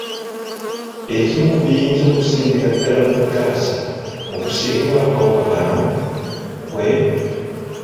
Ekimu ku biyinza okusingira ddala mu kutaasa okusiigibwa akawuka kano kwe